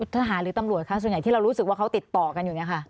ทหารหรือตำรวจคะส่วนใหญ่ที่เรารู้สึกว่าเขาติดต่อกันอยู่เนี่ยค่ะ